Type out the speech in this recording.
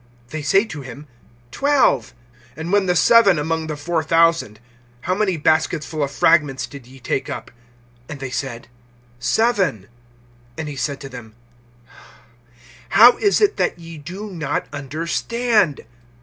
They say to him: Twelve. (20)And when the seven among the four thousand, how many baskets full of fragments did ye take up? And they said: Seven. (21)And he said to them: How is it that ye do not understand?